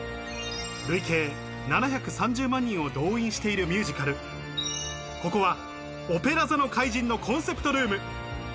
累計７３０万人を動員しているミュージカル、ここは『オペラ座の怪人』のコンセプトルーム。